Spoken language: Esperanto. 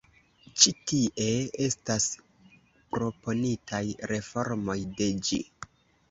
Ĉi tie estas proponitaj reformoj de ĝi.